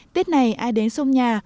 tết này ai đến sông nhà